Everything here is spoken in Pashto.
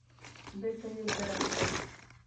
بیرته یې ګرم کړئ